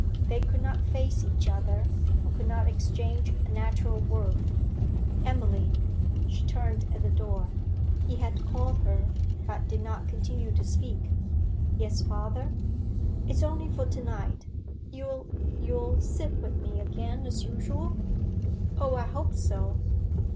They could not face each other, could not exchange a natural word. 'Emily!' She turned at the door. He had called her, but did not continue to speak. 'Yes, father?' 'It's only for to night. You'll you'll sit with me again as usual?' 'Oh, I hope so!'